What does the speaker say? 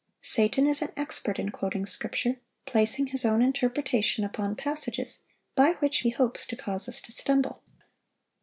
Satan is an expert in quoting Scripture, placing his own interpretation upon passages, by which he hopes to cause us to stumble.